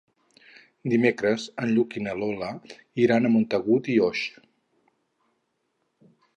Dimecres en Lluc i na Lola iran a Montagut i Oix.